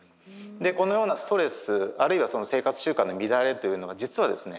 でこのようなストレスあるいは生活習慣の乱れというのが実はですね